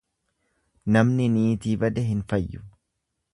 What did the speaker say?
Namni niitii bade hin fayyu.